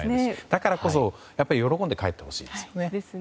だからこそやっぱり喜んで帰ってほしいですね。